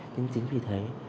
nhưng chính vì thế